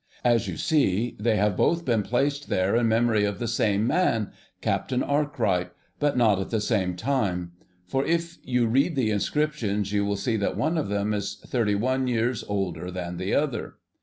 As you see, they have both been placed there in memory of the same man, Captain Arkwright, but not at the same time. For if you read the inscriptions you will see that one of them is thirty one years older than the other.